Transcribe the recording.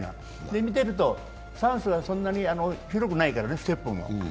見てるとスタンスがそんなに広くないからね、ステップも。